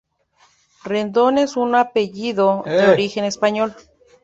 Rendón es una apellido de origen español.